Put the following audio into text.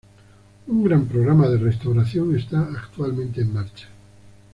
Un gran programa de restauración está actualmente en marcha.